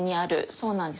そうなんです。